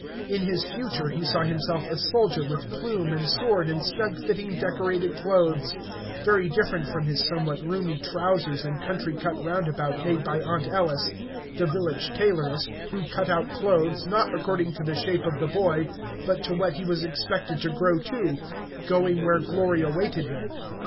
In his future he saw himself a soldier with plume and sword and snug fitting, decorated clothes, very different from his somewhat roomy trousers and country cut roundabout, made by Aunt Ellis, the village tailoress, who cut out clothes, not according to the shape of the boy, but to what he was expected to grow to, going where glory awaited him.